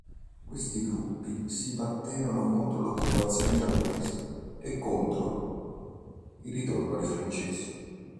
Questi gruppi si batterono contro l'occupazione giapponese e contro il ritorno dei francesi.